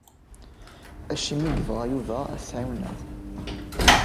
Acimi i yebɣa Yuba ad t-ɛiwneɣ?